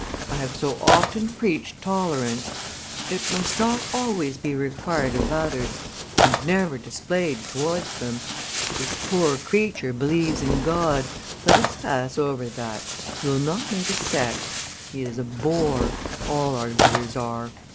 I have so often preached tolerance! It must not be always required of others and never displayed towards them. This poor creature believes in God, let us pass over that; he will not make a sect. He is a bore; all arguers are.